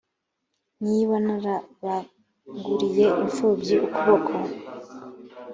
niba narabanguriye impfubyi ukuboko